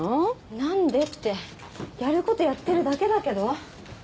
「なんで」ってやることやってるだけだけど？